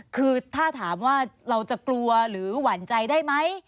คือถ้าถามว่าเราจะกลัวหรือหวั่นใจได้ไหม